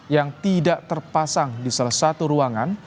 yang tidak terpasang di salah satu ruangan